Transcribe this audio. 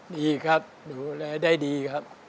ดีครับดูแลได้ดีครับ